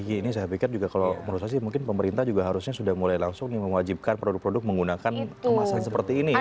ini saya pikir juga kalau menurut saya sih mungkin pemerintah juga harusnya sudah mulai langsung nih mewajibkan produk produk menggunakan kemasan seperti ini ya